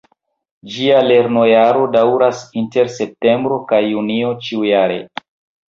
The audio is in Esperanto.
Ĝia lernojaro daŭras inter Septembro kaj Junio ĉiujare.